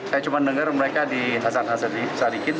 saya cuma dengar mereka di hasan hasan sadikin